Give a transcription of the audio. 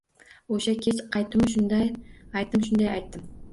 Oʼsha kech qaytdimu shunday aytdim, shunday aytdim!